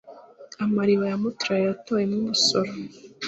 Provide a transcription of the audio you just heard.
Amariba ya Mutara yayatoye mwo ubusoro.